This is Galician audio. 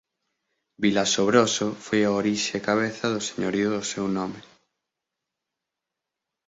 Vilasobroso foi a orixe e cabeza do señorío do seu nome.